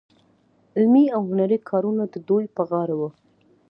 علمي او هنري کارونه د دوی په غاړه وو.